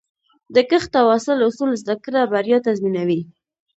د کښت او حاصل اصول زده کړه، بریا تضمینوي.